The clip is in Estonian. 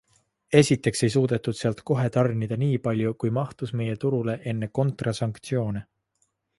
Esiteks ei suudetud sealt kohe tarnida niipalju, kui mahtus meie turule enne kontrasanktsioone.